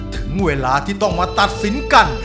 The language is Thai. ถึงเวลาที่ต้องมาตัดสินกัน